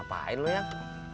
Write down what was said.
apain lu yang